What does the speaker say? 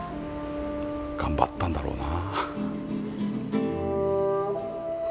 頑張ったんだろうな。